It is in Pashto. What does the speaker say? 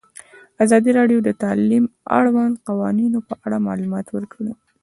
ازادي راډیو د تعلیم د اړونده قوانینو په اړه معلومات ورکړي.